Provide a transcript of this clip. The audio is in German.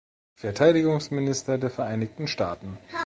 Verteidigungsminister der Vereinigten Staaten.